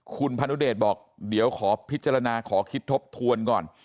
คุณพนุเดชบอกเดี๋ยวขอพิจารณาขอคิดทบทวนก่อน